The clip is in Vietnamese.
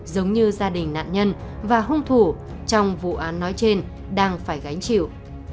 giống như gia đình nạn nhân và hung thủ trong vụ án nói trên đang phải gánh chịu